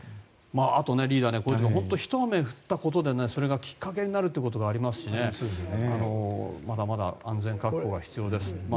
あと、リーダーひと雨降ったことで、それがきっかけになることもありますしまだまだ安全確保が必要です。